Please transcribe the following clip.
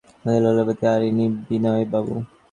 এই আমাদের ললিতাদিদি, আর ইনি বিনয়বাবু।